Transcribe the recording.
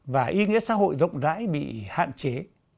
và ý nghĩa xã hội rộng rãi bị hạn chế